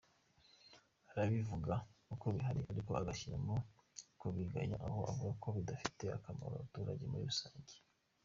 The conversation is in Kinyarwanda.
Arabivuga uko bihari ariko agashyiramo kubigaya aho avuga ko bidafitiye akamaro abaturage muri rusange.